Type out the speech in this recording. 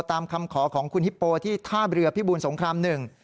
ตามคำขอของคุณฮิปโปที่ท่าเรือพิบูลสงครามหนึ่ง